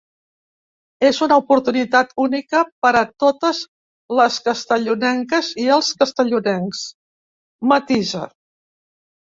“És una oportunitat única per a totes les castellonenques i els castellonencs”, matisa.